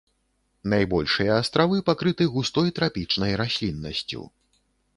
Найбольшыя астравы пакрыты густой трапічнай расліннасцю.